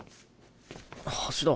橋田。